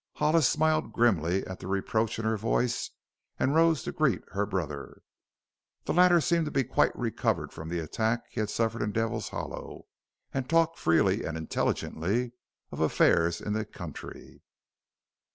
Hollis smiled grimly at the reproach in her voice and rose to greet her brother. The latter seemed to be quite recovered from the attack he had suffered in Devil's Hollow and talked freely and intelligently of affairs in the country.